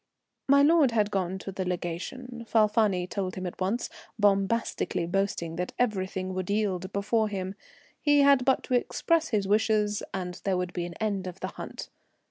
My lord had gone to the Legation, Falfani told him at once, bombastically boasting that everything would yield before him. He had but to express his wishes, and there would be an end of the hunt.